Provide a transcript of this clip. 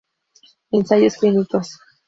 Ensayos clínicos.